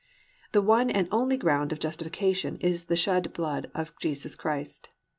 THE ONE AND ONLY GROUND OF JUSTIFICATION IS THE SHED BLOOD OF JESUS CHRIST.